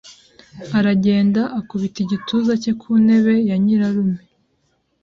aragenda akubika igituza cye ku ntebe ya nyirarume